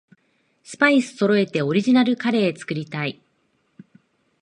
スパイスそろえてオリジナルカレー作りたい